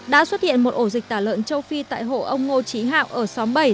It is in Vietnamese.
đã xuất hiện một ổ dịch tả lợn châu phi tại hộ ông ngô trí hạo ở xóm bảy